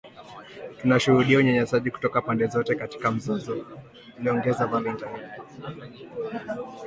“Tunashuhudia unyanyasaji kutoka pande zote katika mzozo” aliongeza Valentine.